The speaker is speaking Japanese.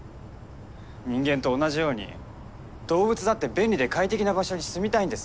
人間と同じように動物だって便利で快適な場所に住みたいんです。